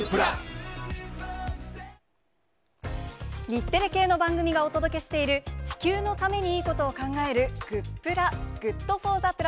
日テレ系の番組がお届けしている、地球のためにいいことを考える、グップラ、ＧｏｏｄＦｏｒｔｈｅ